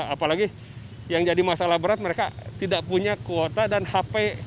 apalagi yang jadi masalah berat mereka tidak punya kuota dan hp